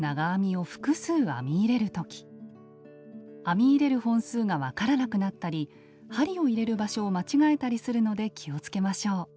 編み入れる本数が分からなくなったり針を入れる場所を間違えたりするので気をつけましょう。